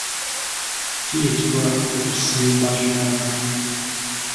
Kiyitibwa okusimba ntaana.